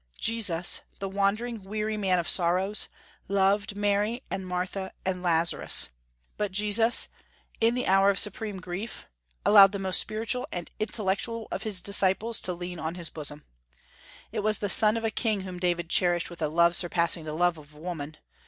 Jesus the wandering, weary Man of Sorrows loved Mary and Martha and Lazarus; but Jesus, in the hour of supreme grief, allowed the most spiritual and intellectual of his disciples to lean on his bosom. It was the son of a king whom David cherished with a love surpassing the love of woman.